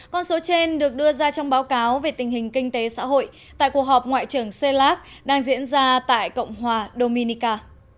con số trên được đưa ra trong báo cáo về tình hình kinh tế xã hội tại cuộc họp ngoại trưởng cellak đang diễn ra tại cộng hòa dominica